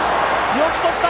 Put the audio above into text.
よくとった！